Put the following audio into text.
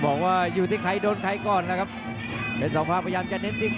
มีชิ้นเฉศเอาไว้